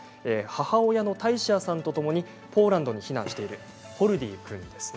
母親のタイシアさんとともにポーランドに避難しているホルディー君です。